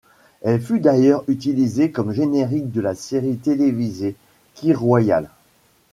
Elle fut d'ailleurs utilisée comme générique de la série télévisée Kir Royal.